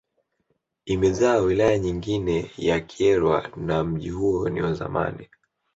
Imezaa wilaya nyingine ya Kyerwa na mji huo ni wa zamani